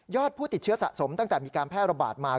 ผู้ติดเชื้อสะสมตั้งแต่มีการแพร่ระบาดมา